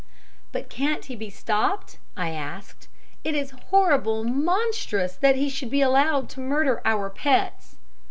"'But can't he be stopped?' I asked. 'It is horrible, monstrous that he should be allowed to murder our pets.'